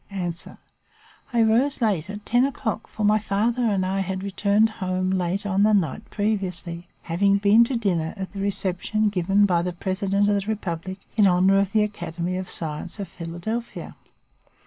"A. I rose late, at ten o'clock, for my father and I had returned home late on the night previously, having been to dinner at the reception given by the President of the Republic, in honour of the Academy of Science of Philadelphia.